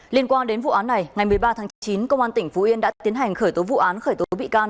liên quan đến vụ án này ngày một mươi ba tháng chín công an tỉnh phú yên đã tiến hành khởi tố vụ án khởi tố bị can